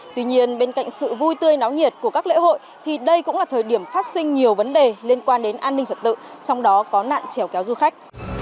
tuy nhiên bên cạnh sự vui tươi náo nhiệt của các lễ hội thì đây cũng là thời điểm phát sinh nhiều vấn đề liên quan đến an ninh trật tự trong đó có nạn trèo kéo du khách